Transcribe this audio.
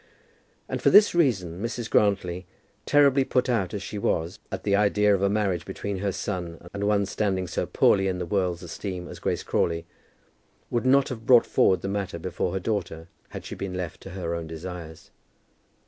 And for this reason Mrs. Grantly, terribly put out as she was at the idea of a marriage between her son and one standing so poorly in the world's esteem as Grace Crawley, would not have brought forward the matter before her daughter, had she been left to her own desires.